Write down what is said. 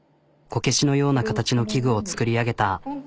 こけしのような形の器具を作り上げた。